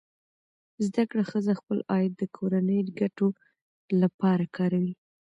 زده کړه ښځه خپل عاید د کورنۍ ګټو لپاره کاروي.